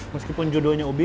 meskipun judulnya ubi